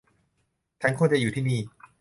ฉันควรจะอยู่ที่นี่